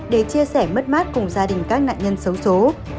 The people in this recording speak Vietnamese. để chia sẻ mất mát cùng gia đình các nạn nhân tử vong